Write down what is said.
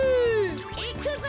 いくぞ！